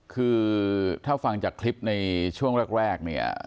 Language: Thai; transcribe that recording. คือถ้าฟังจากคลิปในช่วงแรกเนี่ย